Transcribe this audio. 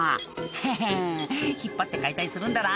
ヘヘン引っ張って解体するんだな